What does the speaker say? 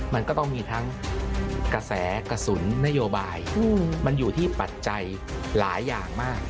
มันก็ต้องมีทั้งกระแสกระสุนนโยบายมันอยู่ที่ปัจจัยหลายอย่างมาก